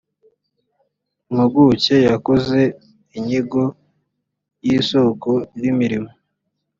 impuguke yakoze inyigo y’isoko ry’imirimo